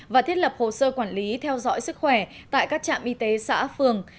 và thiết lập hồ sơ quản lý theo dõi sức khỏe tại các trạm y tế xã phường